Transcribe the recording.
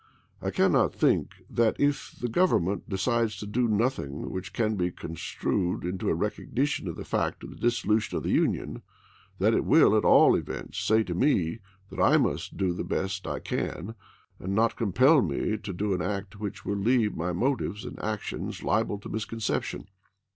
I cannot but think that if the Government decides to do nothing which can be construed into a recognition of the fact of the dissolution of the Union, that it will, at all events, say to me that I must do the best I can, and not compel me to do an act which will leave my motives and actions liable to misconception.